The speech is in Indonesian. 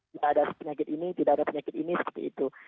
tidak ada penyakit ini tidak ada penyakit ini seperti itu